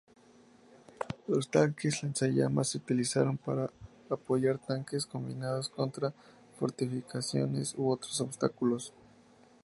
Los tanques lanzallamas se utilizaron para apoyar ataques combinados contra fortificaciones u otros obstáculos.